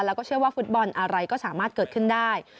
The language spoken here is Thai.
แล้วก็เชื่อว่าฟุตบอลอะไรก็สามารถเกิดขึ้นได้